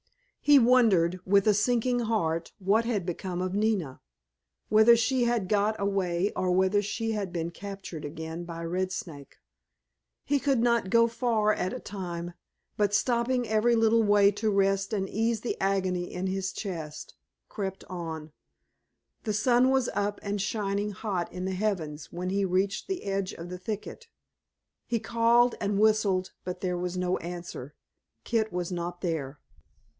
He wondered, with a sinking heart, what had become of Nina. Whether she had got away or whether she had been captured again by Red Snake. He could not go far at a time but, stopping every little way to rest and ease the agony in his chest, crept on. The sun was up and shining hot in the heavens when he reached the edge of the thicket. He called and whistled, but there was no answer. Kit was not there.